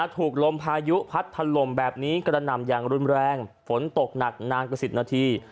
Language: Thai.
ถูกลมพายุพัดถล่มแบบนี้กระหน่ำอย่างรุนแรงฝนตกหนักนานกว่า๑๐นาที